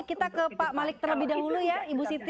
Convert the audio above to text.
kita ke pak malik terlebih dahulu ya ibu siti